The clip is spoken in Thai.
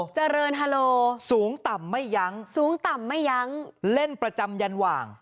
เจริญฮาโลสูงต่ำไม่ยั้งสูงต่ำไม่ยั้งเล่นประจำยันหว่าง